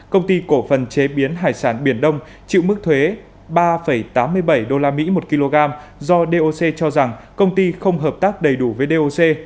công ty cổ phần chế biến hải sản biển đông chịu mức thuế ba tám mươi bảy usd một kg doc cho rằng công ty không hợp tác đầy đủ với doc